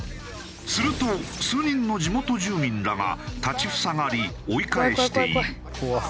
すると数人の地元住民らが立ち塞がり追い返している。